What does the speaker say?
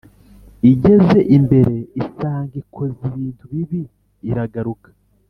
igeze imbere, isanga ikoze ibintu bibi iragaruka.